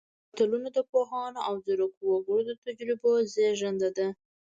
متلونه د پوهانو او ځیرکو وګړو د تجربو زېږنده ده